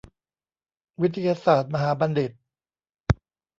วิทยาศาสตร์มหาบัณฑิต